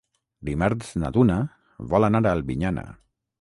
Dimarts na Duna vol anar a Albinyana.